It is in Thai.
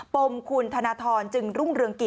ปมคุณธนทรจึงรุ่งเรืองกิจ